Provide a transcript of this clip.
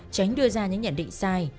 tránh đưa ra những nhận định sai